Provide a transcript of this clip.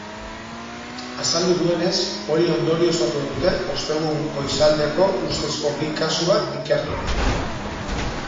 Azaldu duenez, hori ondorioztatu dute ostegun goizaldeako ustezko bi kasuak ikertuta.